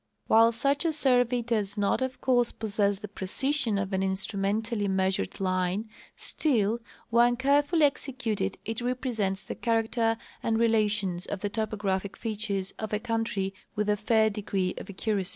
While such a survey does not, of course, possess the precision of an instrumentally measured line, still, when carefully executed, it represents the character and relations of the topographic features of a country with a fair degree of accuracy.